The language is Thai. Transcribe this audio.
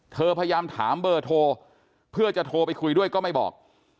พยายามถามเบอร์โทรเพื่อจะโทรไปคุยด้วยก็ไม่บอก